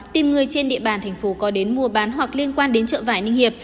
tìm người trên địa bàn thành phố có đến mua bán hoặc liên quan đến chợ vải ninh hiệp